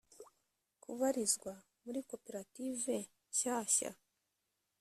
kubarizwa muri koperative nshyashya